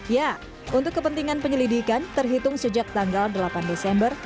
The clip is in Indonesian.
ya untuk kepentingan penyelidikan terhitung sejak tanggal delapan desember